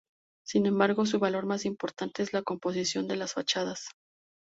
Sin embargo, su valor más importante es la composición de las fachadas.